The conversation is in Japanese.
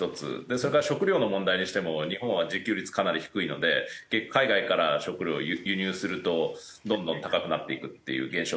それから食料の問題にしても日本は自給率かなり低いので海外から食料を輸入するとどんどん高くなっていくっていう現象があるわけじゃないですか。